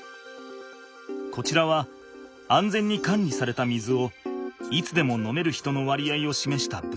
こちらは安全に管理された水をいつでも飲める人の割合をしめした分布図。